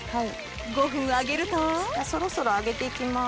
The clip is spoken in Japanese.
５分揚げるとそろそろ上げていきます。